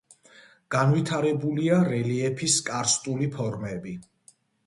განვითარებულია რელიეფის კარსტული ფორმები.